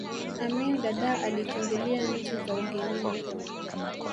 amin dadaa alikimbilia nchi za ugenini